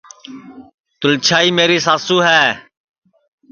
تُلچھائی میری ساسُو ہے